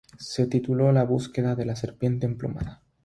Se tituló "La búsqueda de la serpiente emplumada".